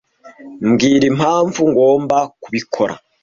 mbwira impamvu ngomba kubikora.